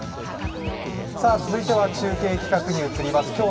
続いては中継企画に移ります。